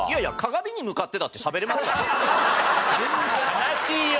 悲しいよ！